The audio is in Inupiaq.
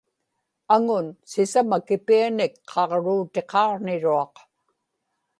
aŋun sisamakipianik qaġruutiqaġni-ruaq